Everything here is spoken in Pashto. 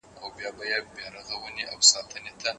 پښتو ادب یو له ویاړونو ډک تاریخ لري.